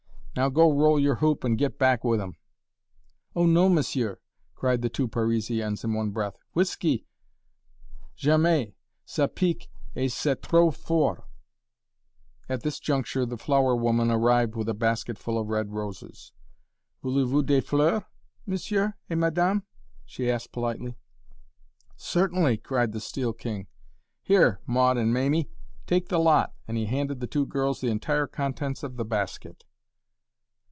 Now go roll your hoop and git back with 'em." "Oh, non, monsieur!" cried the two Parisiennes in one breath; "whiskey! jamais! ça pique et c'est trop fort." At this juncture the flower woman arrived with a basketful of red roses. "Voulez vous des fleurs, messieurs et mesdames?" she asked politely. "Certainly," cried the Steel King; "here, Maud and Mamie, take the lot," and he handed the two girls the entire contents of the basket.